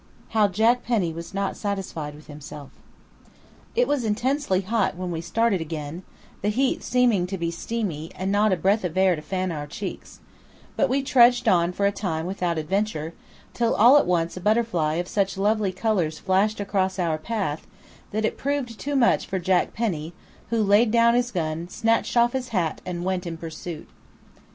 HOW JACK PENNY WAS NOT SATISFIED WITH HIMSELF. It was intensely hot when we started again, the heat seeming to be steamy, and not a breath of air to fan our cheeks; but we trudged on for a time without adventure, till all at once a butterfly of such lovely colours flashed across our path, that it proved too much for Jack Penny, who laid down his gun, snatched off his hat, and went in pursuit.